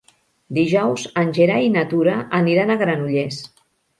Dijous en Gerai i na Tura aniran a Granollers.